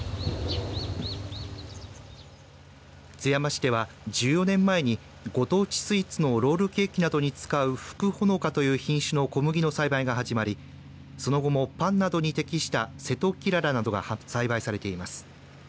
津山市では１４年前にご当地スイーツのロールケーキなどに使うふくほのかという品種の小麦の栽培が始まりその後も、パンなどに適したせときららなどが栽培されています。